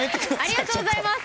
ありがとうございます！